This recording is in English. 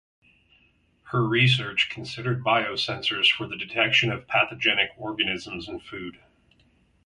Her research considered biosensors for the detection of pathogenic organisms in food.